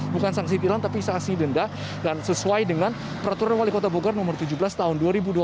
bukan sanksi tilang tapi sanksi denda dan sesuai dengan peraturan wali kota bogor nomor tujuh belas tahun dua ribu dua puluh